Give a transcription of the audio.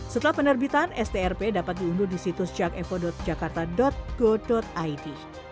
setelah penerbitan strp dapat diunduh di situs jakevo jakarta go id